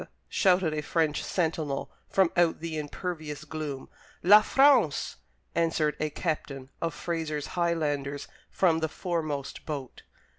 _" shouted a French sentinel from out the impervious gloom. "La France!" answered a captain of Fraser's Highlanders from the foremost boat.